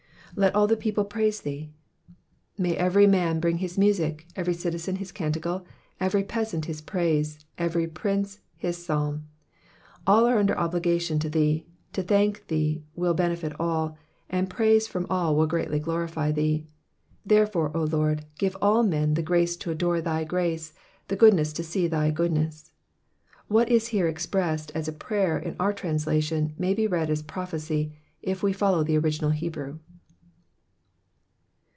" Let all the people praise thee.'''' May every man bring his music, every citizen his canticle, every peasant his praise, every prince his psalm. All are under obligations to thee, to thank thee will benefit all, and praise from all will greatly glorify thee ; therefore, O Lord, give all men the grace to adore thy ^race, the goodness to see thy goodness. What is here expressed as a prayer m our translation, may be read as a prophecy, if we follow the original Hebrew.